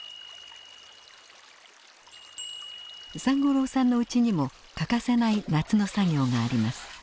三五郎さんのうちにも欠かせない夏の作業があります。